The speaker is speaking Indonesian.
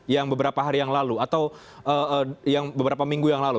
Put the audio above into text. yang beberapa hari yang lalu atau yang beberapa minggu yang lalu